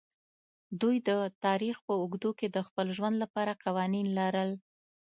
دوی د تاریخ په اوږدو کې د خپل ژوند لپاره قوانین لرل.